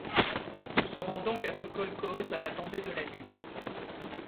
Il se rend donc à ce kolkhoze à la tombée de la nuit.